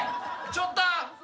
ちょっと。